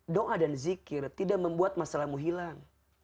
doa dan zikir tidak membuat masalahmu hilang